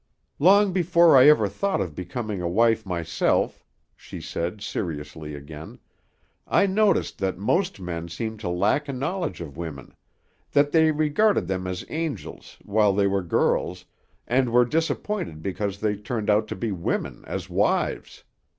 "Long before I ever thought of becoming a wife myself," she said, seriously again, "I noticed that most men seemed to lack a knowledge of women; that they regarded them as angels while they were girls, and were disappointed because they turned out to be women as wives.